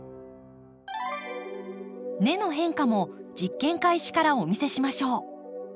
根の変化も実験開始からお見せしましょう。